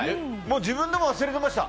自分でも忘れてました。